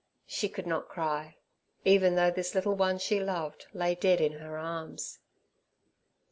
She could not cry, even though this little one she loved lay dead in her arms.